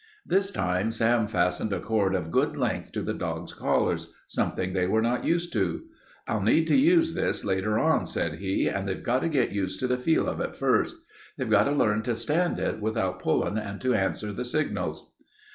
This time Sam fastened a cord of good length to the dogs' collars, something they were not used to. "I'll need to use this later on," said he, "and they've got to get used to the feel of it first. They've got to learn to stand it without pullin', and to answer the signals."